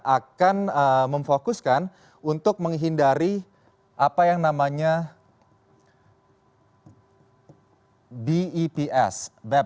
akan memfokuskan untuk menghindari apa yang namanya beps